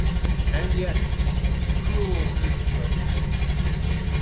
And yet, cruel Heathcliff!